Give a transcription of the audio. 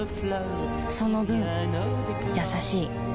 その分優しい